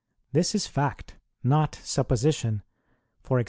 This is fact, not supposition : e.g.